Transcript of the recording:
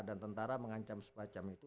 dan tentara mengancam sepacam itu